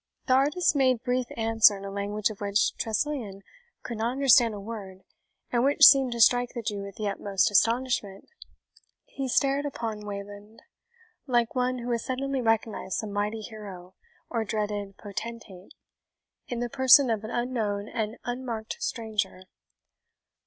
The artist made brief answer in a language of which Tressilian could not understand a word, and which seemed to strike the Jew with the utmost astonishment. He stared upon Wayland like one who has suddenly recognized some mighty hero or dreaded potentate, in the person of an unknown and unmarked stranger.